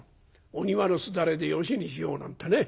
『お庭のすだれでよしにしよう』なんてね。